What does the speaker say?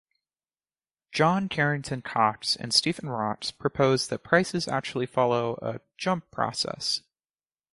John Carrington Cox and Stephen Ross proposed that prices actually follow a 'jump process'.